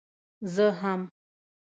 زه هم.